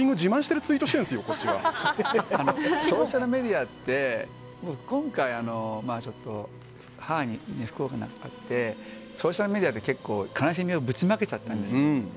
ソーシャルメディアって今回、母に不幸があってソーシャルメディアで悲しみをぶちまけちゃったんです。